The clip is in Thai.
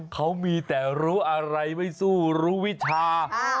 เขามีแต่รู้อะไรไม่สู้รู้วิชา